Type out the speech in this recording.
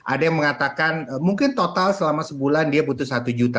ada yang mengatakan mungkin total selama sebulan dia butuh satu juta